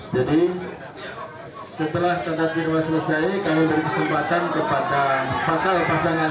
jadi setelah tetapi selesai kamu beri kesempatan kepada pakal pasangan